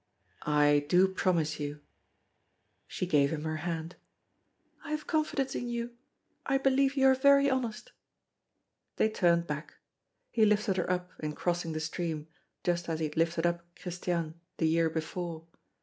"I do promise you." She gave him her hand. "I have confidence in you. I believe you are very honest!" They turned back. He lifted her up in crossing the stream, just as he had lifted up Christiane, the year before.